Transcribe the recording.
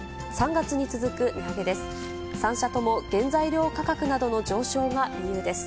３月に続く値上げです。